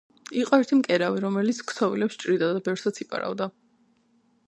იყო ერთი მკერავი, რომელიც ქსოვილებს ჭრიდა და ბევრსაც იპარავდა.